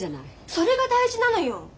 それが大事なのよ。